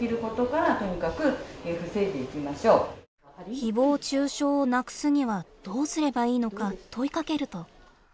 ひぼう中傷をなくすにはどうすればいいのか問いかけると。